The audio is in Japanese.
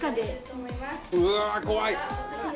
うわ怖い。